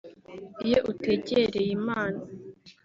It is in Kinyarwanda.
Iyo utegereye Imana